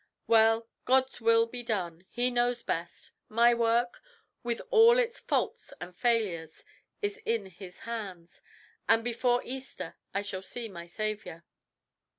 "Well! God's will be done. He knows best. My work, with all its faults and failures, is in His hands, and before Easter I shall see my Saviour."